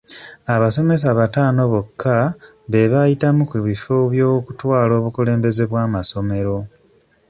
Abasomesa bataano bokka be baayitamu ku bifo by'okutwala obukulembeze bw'amasomero.